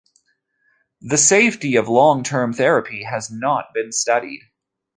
The safety of long term therapy has not been studied.